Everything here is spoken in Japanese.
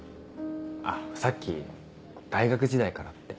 あっさっき大学時代からって。